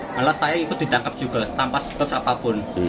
malah saya ikut ditangkap juga tanpa sebab apapun